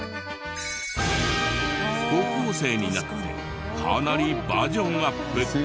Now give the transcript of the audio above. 高校生になってかなりバージョンアップ！